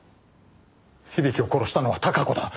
響を殺したのは孝子だ。